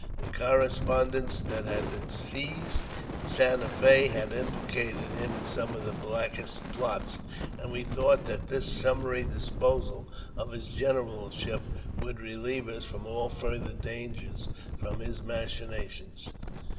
The correspon dence that had been seized in Santa Fe had implicated him in some of the blackest plots, and we thought that this summary disposal of his generalship would reheve us from all further danger from his machinations.